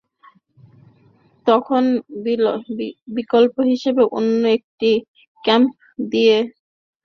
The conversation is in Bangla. তখন বিকল্প হিসেবে অন্য একটি পাম্প দিয়ে পানি সরবরাহ সচল রাখা হয়েছিল।